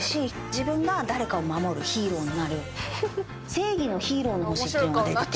正義のヒーローの星っていうのが出てて。